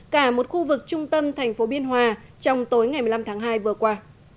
cả một khu vực trung tâm thành phố biên hòa trong tối ngày một mươi năm tháng hai vừa qua